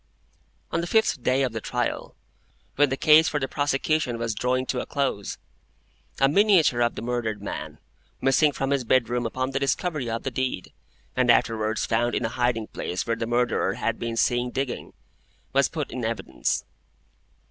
On the fifth day of the trial, when the case for the prosecution was drawing to a close, a miniature of the murdered man, missing from his bedroom upon the discovery of the deed, and afterwards found in a hiding place where the Murderer had been seen digging, was put in evidence.